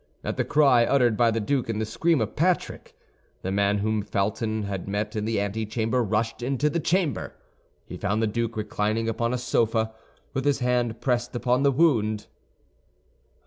At the cry uttered by the duke and the scream of Patrick, the man whom Felton had met in the antechamber rushed into the chamber. He found the duke reclining upon a sofa, with his hand pressed upon the wound.